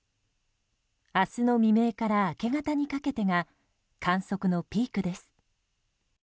明日の未明から明け方にかけてが観測のピークです。